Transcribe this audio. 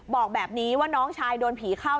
บอกแบบนี้ว่าน้องชายโดนผีเข้า